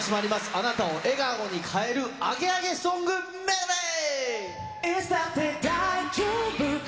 あなたを笑顔に変える、アゲアゲソングメドレー。